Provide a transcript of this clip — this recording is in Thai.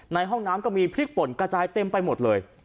ในห้องน้ำก็มีพริกป่นกระจายเต็มไปหมดเลย